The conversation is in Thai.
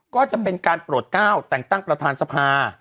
ก็จะเป็นการโปรดก้าวแต่งตั้งประธานสภา